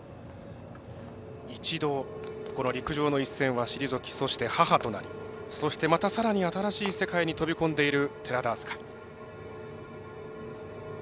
一度、陸上の一戦は退きそして、母となりそして、またさらに新しい世界に飛び込んでいる寺田明日香。